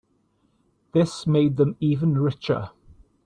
This made them even richer.